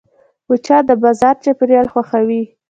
مچان د بازار چاپېریال خوښوي